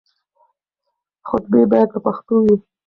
خطبې بايد په پښتو وي.